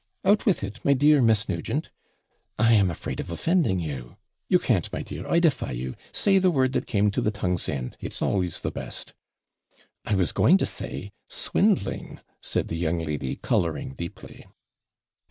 out with it, my dear Miss Nugent.' 'I am afraid of offending you.' 'You can't, my dear, I defy you say the word that came to the tongue's end; it's always the best.' 'I was going to say, swindling,' said the young lady, colouring deeply.